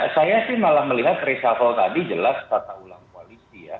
saya sih malah melihat reshuffle tadi jelas tata ulang koalisi ya